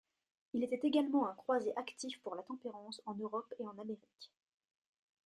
Il était également un croisé actif pour la tempérance en Europe et en Amérique.